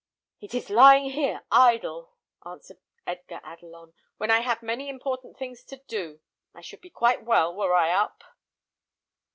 "It is lying here idle," answered Edgar Adelon, "when I have many important things to do. I should be quite well were I up."